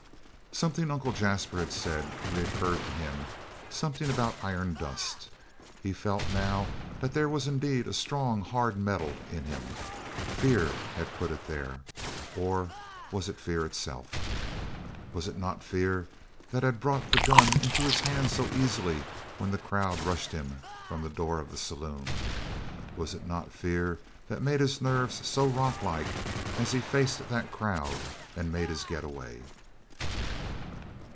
Something that Uncle Jasper had said recurred to him, something about iron dust. He felt now that there was indeed a strong, hard metal in him; fear had put it there or was it fear itself? Was it not fear that had brought the gun into his hand so easily when the crowd rushed him from the door of the saloon? Was it not fear that had made his nerves so rocklike as he faced that crowd and made his get away?